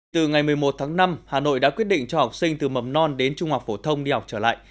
từ ngày một mươi một tháng năm hà nội đã quyết định cho học sinh từ mầm non đến trung học phổ thông đi học trở lại